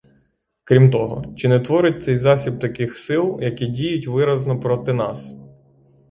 Крім того: чи не творить цей засіб таких сил, які діють виразно проти нас?